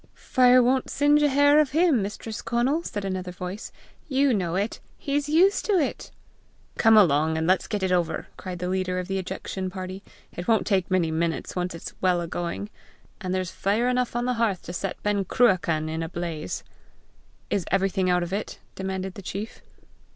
"Fire won't singe a hair of him, Mistress Conal," said another voice. "You know it; he's used to it!" "Come along, and let's get it over!" cried the leader of the ejection party. "It won't take many minutes once it's well a going, and there's fire enough on the hearth to set Ben Cruachan in a blaze!" "Is everything out of it?" demanded the chief.